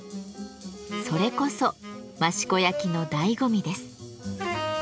それこそ益子焼のだいご味です。